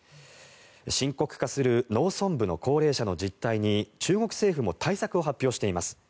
深刻化する農村部の高齢者の実態に中国政府も対策を発表しています。